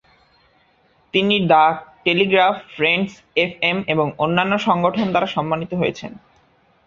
তিনি the Telegraph, Friends F M এবং অন্যান্য সংগঠন দ্বারা সম্মানিত হয়েছেন।